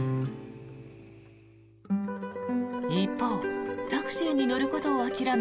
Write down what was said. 一方タクシーに乗ることを諦め